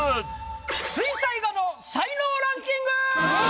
水彩画の才能ランキング！